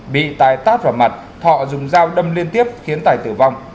bị tài tát vào mặt thọ dùng dao đâm liên tiếp khiến tài tử vong